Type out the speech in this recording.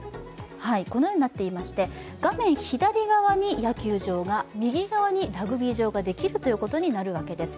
このようになっていまして画面左側に野球場が、右側にラグビー場ができるということになるようです。